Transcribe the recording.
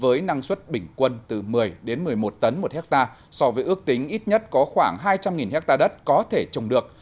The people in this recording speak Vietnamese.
với năng suất bình quân từ một mươi đến một mươi một tấn một hectare so với ước tính ít nhất có khoảng hai trăm linh hectare đất có thể trồng được